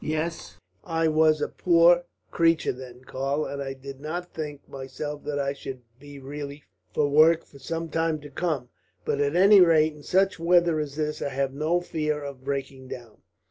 "Yes, I was a poor creature then, Karl; and I did not think, myself, that I should be really fit for work for some time to come; but at any rate, in such weather as this, I have no fear of breaking down."